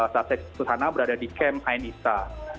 saat saya kesana berada di camp ain issa